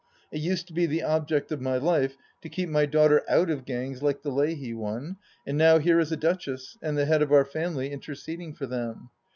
It used to be the object of my life to keep my daughter out of gangs like the Leahy one, and now here is a Duchess, and the head of our family, interceding for them